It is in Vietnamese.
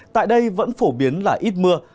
tại đây vẫn phổ biến là ít mưa